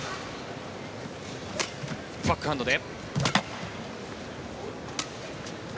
バックハンドで。